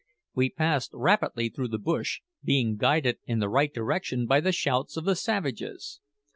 We passed rapidly through the bush, being guided in the right direction by the shouts of the savages.